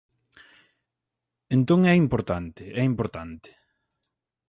Entón, é importante, é importante.